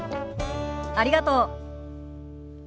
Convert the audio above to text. ありがとう。